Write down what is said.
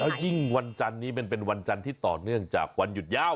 ยิ่งวันจันนี้มันเป็นวันจันทร์ที่ต่อเนื่องจากวันหยุดยาว